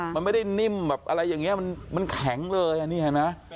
มันไม่ได้นิ่มแบบอะไรอย่างนี้มันแข็งเลยอ่ะนี่เห็นไหม